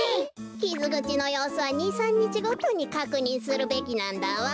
きずぐちのようすは２３にちごとにかくにんするべきなんだわ。